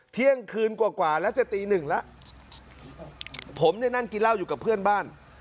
เที่ยงคืนกว่ากว่าแล้วจะตีหนึ่งแล้วผมเนี่ยนั่งกินเหล้าอยู่กับเพื่อนบ้าน